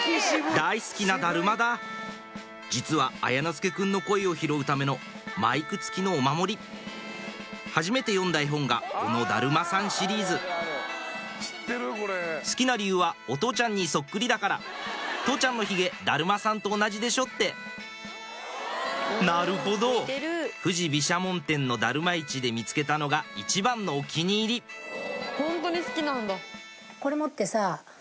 大好きなだるまだ実は綾之介くんの声を拾うためのマイク付きのお守りはじめて読んだ絵本がこのだるまさんシリーズ好きな理由はお父ちゃんにそっくりだから父ちゃんのヒゲだるまさんと同じでしょってなるほど富士毘沙門天のだるま市で見つけたのが一番のお気に入りおぉ